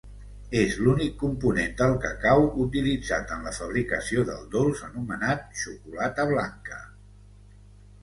És l'únic component del cacau utilitzat en la fabricació del dolç anomenat xocolata blanca.